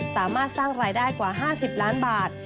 สามารถสร้างรายได้กว่า๕๐ล้านบาท